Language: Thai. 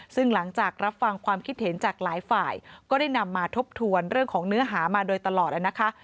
ซึ่งหลังจากรับฟังความคิดเห็นจากหลายฝ่ายก็ได้นำมาทบทวนเรื่องของเนื้อหามาโดยตลอดนะคะ